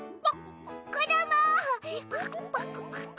パクパク。